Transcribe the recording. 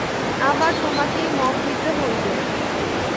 আবার তোমাকেই মত দিতে হইবে।